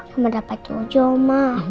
mama dapat tujuh oma